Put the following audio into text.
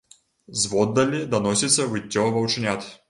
Зводдалі даносіцца выццё ваўчанят.